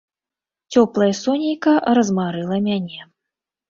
Цёплае сонейка размарыла мяне.